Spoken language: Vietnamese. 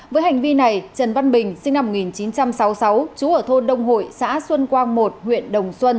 với hành vi này trần văn bình sinh năm một nghìn chín trăm sáu mươi sáu chú ở thôn đông hội xã xuân quang một huyện đồng xuân